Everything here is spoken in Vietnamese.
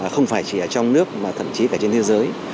không phải chỉ ở trong nước mà thậm chí cả trên thế giới